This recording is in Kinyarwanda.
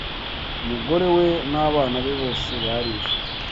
umugore we n’abana be bose barishwe